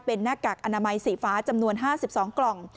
เป็นหน้ากากอนามัยสีฟ้าจำนวน๕๒กล่อง